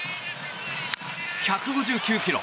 １５９キロ。